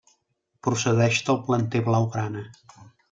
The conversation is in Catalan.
Procedeix del planter blaugrana.